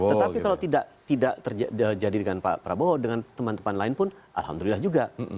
tetapi kalau tidak terjadi dengan pak prabowo dengan teman teman lain pun alhamdulillah juga